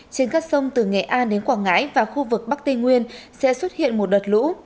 trên các sông từ nghệ an đến quảng ngãi và khu vực bắc tây nguyên sẽ xuất hiện một đợt lũ